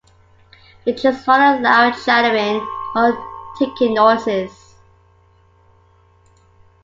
The chicks utter loud chattering or ticking noises.